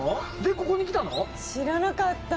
ここに来たの？